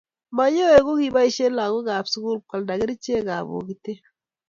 mayowe ko kibaishe lakok ab sugul kwalda kerchek ab bokitet